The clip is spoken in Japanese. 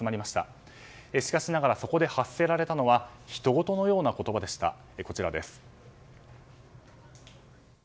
しかしながらそこで発せられたのはひとごとのような言葉でした。